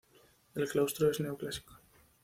El claustro es neoclásico.